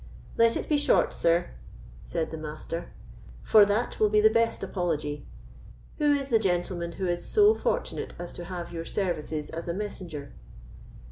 "Let it be short, sir," said the Master, "for that will be the best apology. Who is the gentleman who is so fortunate as to have your services as a messenger?"